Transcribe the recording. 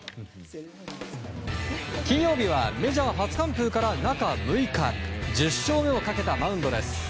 金曜日はメジャー初完封から中６日１０勝目をかけたマウンドです。